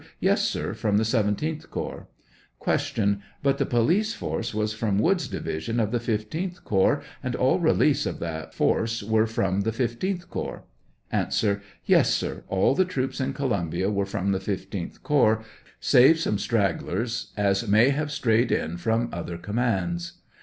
Yes, sir ; from the 17th corps. Q But the police force was from Woods' division of the 15th corps, and all reliefs of that force were from the 15th Corps ? A. Yes, sir; all the troops in Columbia were from the 15th corps, save such stragglers as may have strayed in from other commands.